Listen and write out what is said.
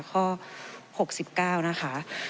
ข้อ๖๙นะคะ